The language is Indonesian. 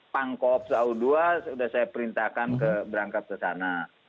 pangkob satu dua sudah saya perintahkan berangkat ke sana